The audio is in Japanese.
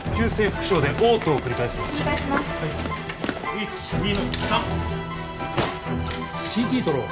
・１２の３！ＣＴ撮ろう。